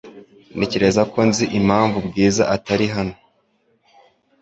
Ntekereza ko nzi impamvu Bwiza atari hano .